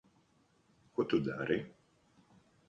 Ko tu dari?